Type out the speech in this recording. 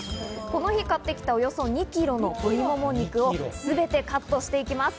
この日、買ってきたおよそ２キロの鶏もも肉をすべてカットしていきます。